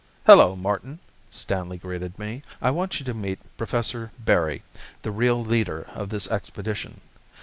"Hello, Martin," Stanley greeted me. "I want you to meet Professor Berry, the real leader of this expedition.